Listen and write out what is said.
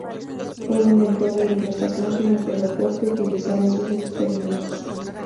Fue el inventor de diversas máquinas de vapor, que utilizaba en sus experimentos.